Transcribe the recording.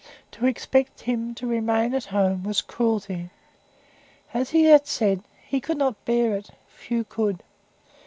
To expect him to remain at home was cruelty. As he had said, he could not bear it few could.